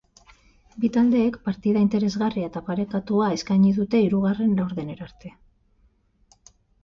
Bi taldeek partida interesgarria eta parekatua eskaini dute hirugarren laurdenera arte.